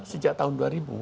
sejak tahun dua ribu